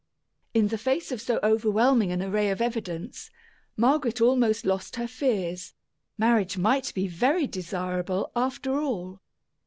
In the face of so overwhelming an array of evidence, Margaret almost lost her fears marriage might be very desirable, after all.